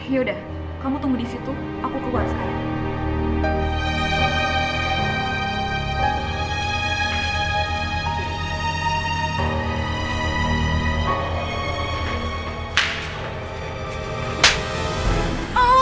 yaudah kamu tunggu disitu aku keluar sekarang